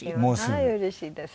はいうれしいです。